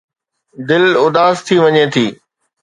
دل اداس ٿي وڃي ٿي.